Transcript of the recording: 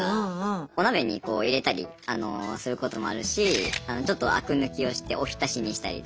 お鍋にこう入れたりすることもあるしちょっとあく抜きをしておひたしにしたりとか。